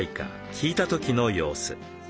聞いた時の様子。